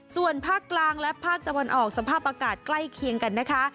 ส่วนภาคกลางและภาคตะวันออกสภาพอากาศใกล้เคียงกันนะคะ